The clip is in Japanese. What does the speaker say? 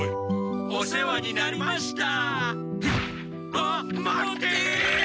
あっ待って！